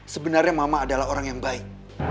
sebenarnya mama adalah orang yang baik